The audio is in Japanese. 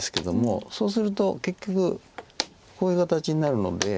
そうすると結局こういう形になるので。